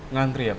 ngantri ya pak